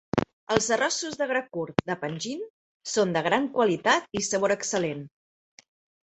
Els arrossos de gra curt de Panjin són de gran qualitat i sabor excel·lent.